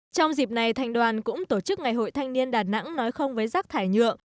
trong dịp này thành đoàn cũng tổ chức ngày hội thanh niên đà nẵng nói không với rác thải nhựa